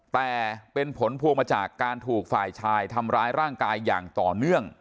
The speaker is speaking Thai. แต่เป็นผลพวงมาจากการถูกฝ่ายชายทำร้ายร่างกายอย่างต่อเนื่อง